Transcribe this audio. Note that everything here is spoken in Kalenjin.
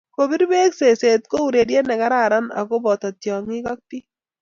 Kupir beek zeze ko urerie ne kararan ako boto tiongii ak biik.